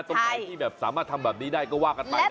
ตรงไหนที่แบบสามารถทำแบบนี้ได้ก็ว่ากันไป